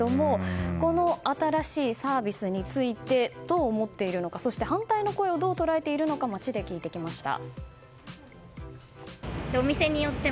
この新しいサービスについてどう思っているのかそして反対の声をどう捉えているのか街で聞いてきました。